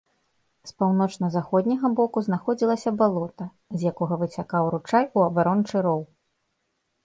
З паўночна-заходняга боку знаходзілася балота, з якога выцякаў ручай у абарончы роў.